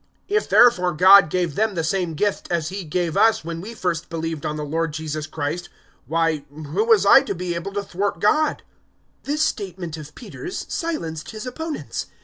011:017 "If therefore God gave them the same gift as He gave us when we first believed on the Lord Jesus Christ, why, who was I to be able to thwart God?" 011:018 This statement of Peter's silenced his opponents.